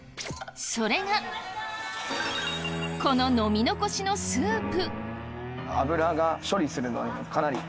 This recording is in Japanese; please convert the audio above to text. それがこの飲み残しのスープ。